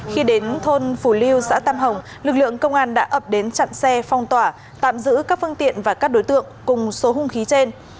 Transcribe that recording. khi đến thôn phủ lưu xã tam hồng lực lượng công an đã ập đến chặn xe phong tỏa tạm giữ các phương tiện và các đối tượng cùng số hung khí trên